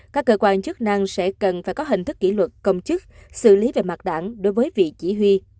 các cơ quan chức năng sẽ cần phải có hình thức kỷ luật công chức xử lý về mặt đảng đối với vị chỉ huy